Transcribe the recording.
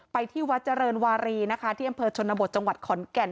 ที่วัดเจริญวารีนะคะที่อำเภอชนบทจังหวัดขอนแก่น